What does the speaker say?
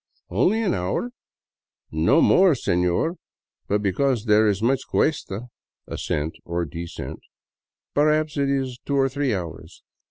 Only an hour ?" No more, sefior, but because there is much cuesta (ascent or de scent) perhaps it is two or three hours."